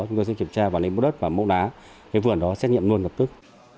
chúng tôi sẽ kiểm tra vào lĩnh bố đất và mẫu đá cái vườn đó xét nghiệm luôn ngập tức